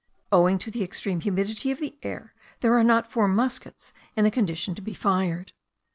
Owing to the extreme humidity of the air there are not four muskets in a condition to be fired.